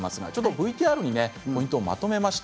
ＶＴＲにポイントをまとめました。